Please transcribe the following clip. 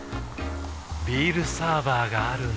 ビールサーバーがある夏。